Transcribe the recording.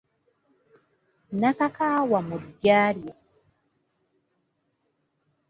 Nnakakaawa mu ddya lye